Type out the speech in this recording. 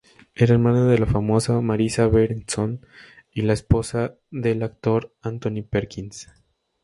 Era hermana de la más famosa Marisa Berenson y esposa del actor Anthony Perkins.